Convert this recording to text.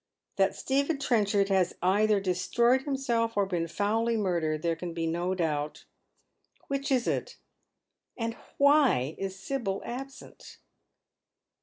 That Stephen Trenchard has either destroyed himself or been foully murdered there can be no doubt. Which is it? And why is Sibyl absent